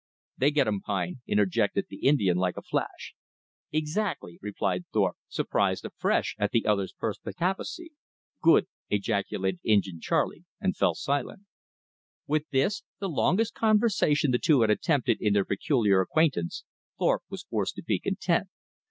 "They gettum pine," interjected the Indian like a flash. "Exactly," replied Thorpe, surprised afresh at the other's perspicacity. "Good!" ejaculated Injin Charley, and fell silent. With this, the longest conversation the two had attempted in their peculiar acquaintance, Thorpe was forced to be content.